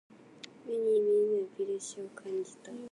目に見えないプレッシャーを感じた。